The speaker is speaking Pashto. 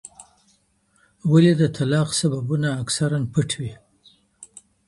ولي د طلاق سببونه اکثرا پټ وي؟